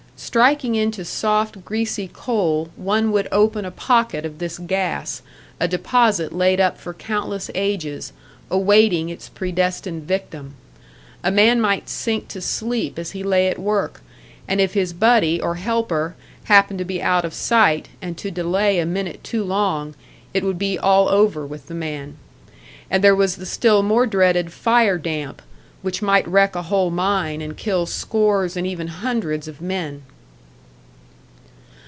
Striking into soft, greasy coal, one would open a pocket of this gas, a deposit laid up for countless ages, awaiting its predestined victim. A man might sink to sleep as he lay at work, and if his "buddy," or helper, happened to be out of sight, and to delay a minute too long, it would be all over with the man. And there was the still more dreaded "fire damp," which might wreck a whole mine, and kill scores and even hundreds of men.